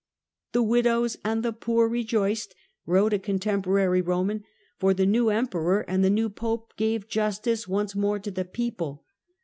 "The widows 21st May ^^^^^^^ P°^^ rejoiced," wrote a contemporary Eoman, 996 "for the new Emperor and the new Pope gave justice once more to the people."